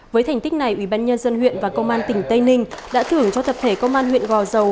với thành tích này ủy ban nhân dân huyện và công an tỉnh tây ninh đã thưởng cho tập thể công an huyện gò dầu